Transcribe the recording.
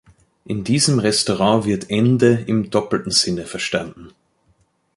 In diesem Restaurant wird „Ende“ im doppelten Sinne verstanden.